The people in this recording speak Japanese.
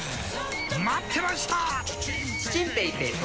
待ってました！